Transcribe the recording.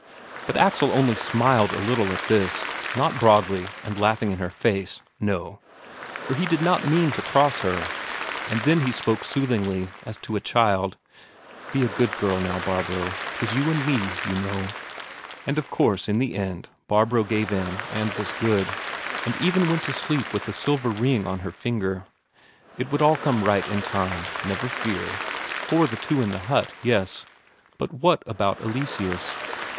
But Axel only smiled a little at this; not broadly and laughing in her face, no; for he did not mean to cross her. And then he spoke soothingly, as to a child: "Be a good girl now, Barbro. 'Tis you and me, you know." And of course in the end Barbro gave in and was good, and even went to sleep with the silver ring on her finger. It would all come right in time, never fear. For the two in the hut, yes. But what about Eleseus?